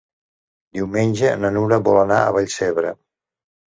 Diumenge na Nura vol anar a Vallcebre.